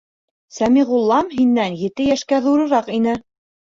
Сәмиғуллам һинән ете йәшкә ҙурыраҡ ине.